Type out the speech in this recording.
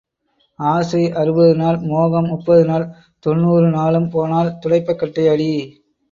ஆசை அறுபது நாள் மோகம் முப்பது நாள் தொண்ணுாறு நாளும் போனால் துடைப்பக் கட்டை அடி.